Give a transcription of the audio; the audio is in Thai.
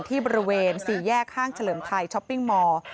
ที่บริเวณ๔แยกห้างเฉลิมไทยช้อปปิ้งมอร์